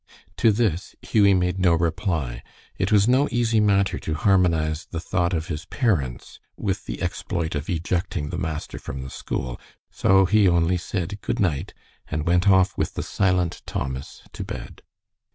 To this Hughie made no reply. It was no easy matter to harmonize the thought of his parents with the exploit of ejecting the master from the school, so he only said good night, and went off with the silent Thomas to bed.